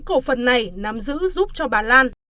cổ phần này nắm giữ giúp cho bà lan